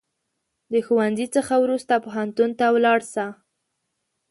د ښوونځي څخه وروسته پوهنتون ته ولاړ سه